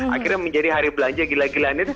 akhirnya menjadi hari belanja gila gilanya